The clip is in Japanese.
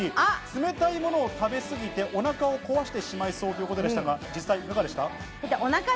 冷たいものを食べ過ぎて、おなかを壊してしまいそうということでしたが、実際いかがでしたか？